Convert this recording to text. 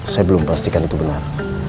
saya belum pastikan itu benar